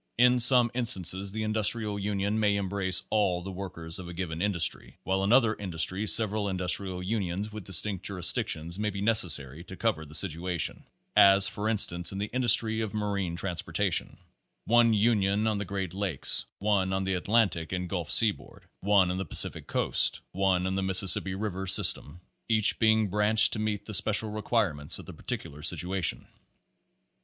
In some instances the Industrial Union may embrace ALL the workers of a given In dustry, while in other industries several Industrial "tJlltoTTs with distinct jurisdiction may be necessary to cover the situation ; as, for instance, in the "Industry of Marine Transportation" one union on the Great Lakes, one on the Atlantic and Gulf Seaboard, one on the Pacific Coast, one on the Mississippi River sys tem each being branched to meet the special re quirements of the particular situation.